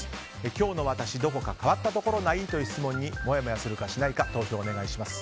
今日の私、どこか変わったところない？という質問にもやもやするかしないか投票をお願いします。